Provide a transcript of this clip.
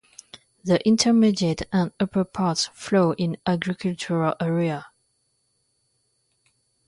The intermediate and upper parts flow in agricultural area.